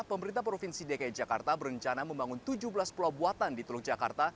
pemerintah provinsi dki jakarta berencana membangun tujuh belas pulau buatan di teluk jakarta